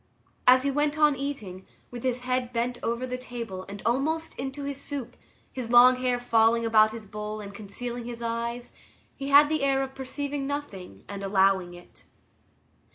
As he went on eating, with his head bent over the table and almost into his soup, his long hair falling about his bowl and concealing his eyes, he had the air of perceiving nothing and allowing it.